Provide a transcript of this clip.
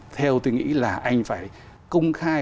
theo tôi nghĩ là anh phải công khai